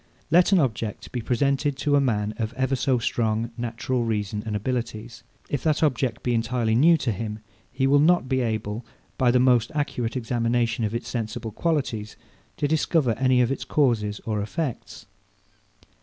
Let an object be presented to a man of ever so strong natural reason and abilities; if that object be entirely new to him, he will not be able, by the most accurate examination of its sensible qualities, to discover any of its causes or effects.